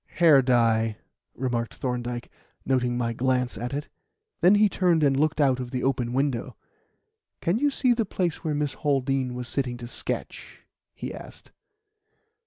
"Hair dye," remarked Thorndyke, noting my glance at it; then he turned and looked out of the open window. "Can you see the place where Miss Haldean was sitting to sketch?" he asked.